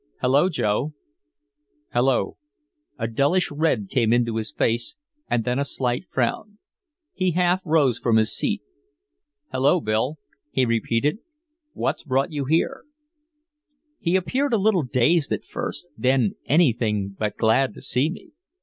"Hello, Joe " "Hello." A dullish red came into his face and then a slight frown. He half rose from his seat. "Hello, Bill," he repeated. "What's brought you here?" He appeared a little dazed at first, then anything but glad to see me.